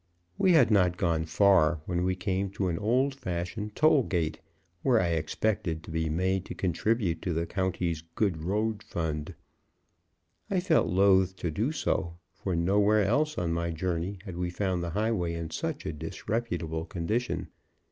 We had not gone far, when we came to an old fashioned toll gate, where I expected to be made to contribute to the county's good road fund. I felt loath to do so, for nowhere else on my journey had we found the highway in such a disreputable condition.